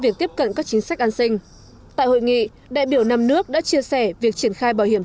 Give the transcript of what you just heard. việc tiếp cận các chính sách an sinh tại hội nghị đại biểu năm nước đã chia sẻ việc triển khai bảo hiểm